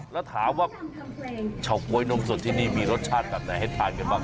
แล้วถามว่าเฉาก๊วยนมสดที่นี่มีรสชาติแบบไหนให้ทานกันบ้าง